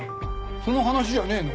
その話じゃねえの？